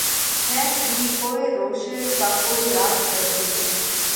ڪينڪ ۮِي ڪوئي روشي ڪا ڪوئي ياڌ ڪرشي